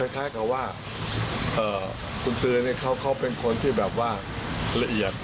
คล้ายกับว่าคุณตือนี่เขาเป็นคนที่แบบว่าละเอียด